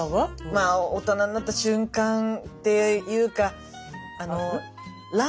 まあ大人になった瞬間っていうかえ？